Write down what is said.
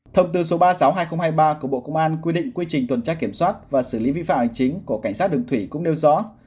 thông tư số ba mươi sáu hai nghìn hai mươi ba của bộ công an quy định quy trình tuần tra kiểm soát và xử lý vi phạm hành chính của cảnh sát đường thủy cũng nêu rõ